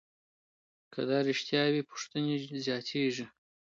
که دا رښتیا وي، پوښتنې زیاتېږي.